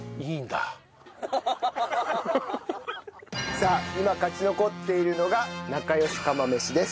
さあ今勝ち残っているのがなかよし釜飯です。